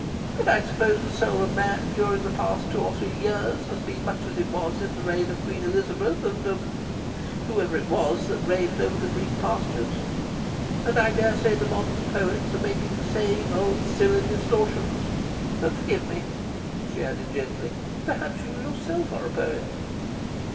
But I suppose the soul of man during the past two or three years has been much as it was in the reign of Queen Elizabeth and of whoever it was that reigned over the Greek pastures. And I daresay the modern poets are making the same old silly distortions. But forgive me," she added gently, "perhaps you yourself are a poet?"